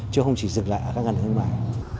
chứ không chỉ dựng lại các ngành hướng ngoài